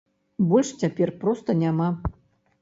Больш цяпер проста няма.